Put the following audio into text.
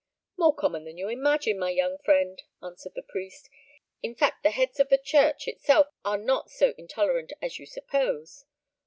"More common than you imagine, my young friend," answered the priest; "in fact the heads of the church, itself are not so intolerant as you suppose.